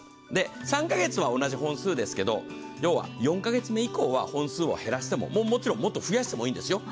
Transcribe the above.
３カ月は同じ本数ですけど、４カ月目以降は、本数を減らしても、もちろんもっと増やしてもいいんですよ。